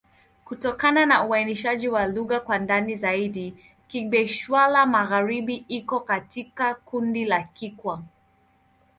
Kufuatana na uainishaji wa lugha kwa ndani zaidi, Kigbe-Xwla-Magharibi iko katika kundi la Kikwa.